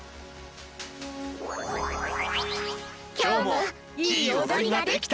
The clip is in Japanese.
きょうもいいおどりができたね。